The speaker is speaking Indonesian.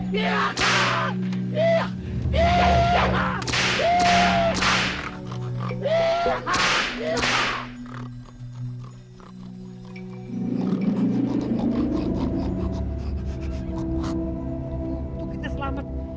tunggu kita selamat